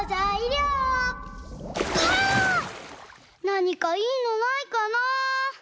なにかいいのないかな？